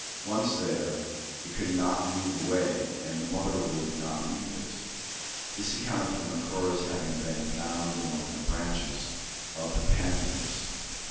Once there, it could not move away, and the mother would not leave it. This accounted for Macora's having been found among the branches of the pandanus.